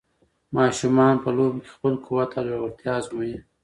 ماشومان په لوبو کې خپل قوت او زړورتیا ازمويي.